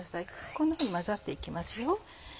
こんなふうに混ざって行きますよ。